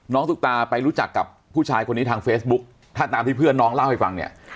ตุ๊กตาไปรู้จักกับผู้ชายคนนี้ทางเฟซบุ๊กถ้าตามที่เพื่อนน้องเล่าให้ฟังเนี่ย